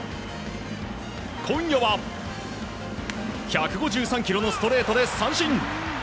今夜は１５３キロのストレートで三振。